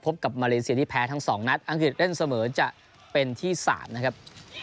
กับมาเลเซียที่แพ้ทั้งสองนัดอังกฤษเล่นเสมอจะเป็นที่๓นะครับ